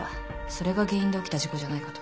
それが原因で起きた事故じゃないかと。